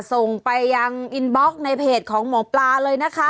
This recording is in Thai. ส่งไปยังอินบล็อกในเพจของหมอปลาเลยนะคะ